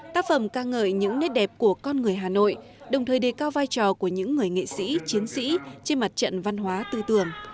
tác phẩm ca ngợi những nét đẹp của con người hà nội đồng thời đề cao vai trò của những người nghệ sĩ chiến sĩ trên mặt trận văn hóa tư tưởng